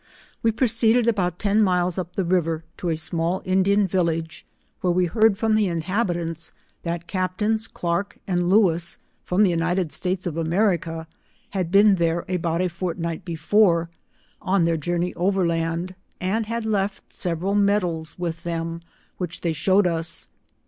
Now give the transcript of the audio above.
We proceeded about ten miles up the river, to a small Indian village^ where we heard from the inhabi tants, that captains Clark and Lewis, from the United States of America,, had been there about a fortnight before, on their journey over land, and had l^ft several medals with them, which they shewed us.